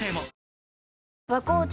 新「和紅茶」